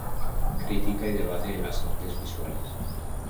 Crítica y debate en las artes visuales".